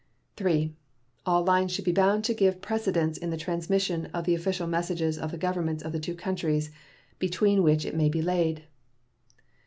III. All lines should be bound to give precedence in the transmission of the official messages of the governments of the two countries between which it may be laid.